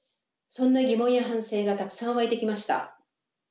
そんな疑問や反省がたくさん湧いてきました。